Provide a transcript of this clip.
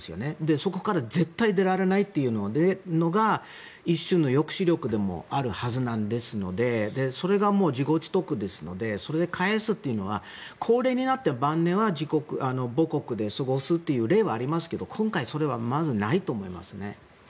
そこから絶対に出られないというのが一種の抑止力でもあるはずなのでそれが自業自得なのでそれで帰すというのは高齢になった晩年は母国で過ごすという例はありますが今回、それはまず、ないと思います。